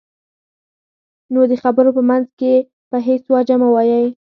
نو د خبرو په منځ کې په هېڅ وجه مه وایئ.